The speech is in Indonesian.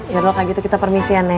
ya udah kayak gitu kita permisi ya nek